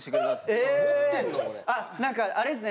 何かあれですね。